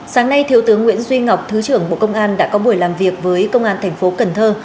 sáng nay thiếu tướng nguyễn duy ngọc thứ trưởng bộ công an đã có buổi làm việc với công an thành phố cần thơ